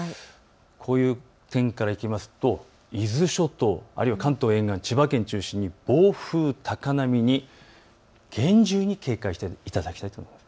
こういう点からいきますと伊豆諸島、関東沿岸、暴風、高波に厳重に警戒をしていただきたいと思います。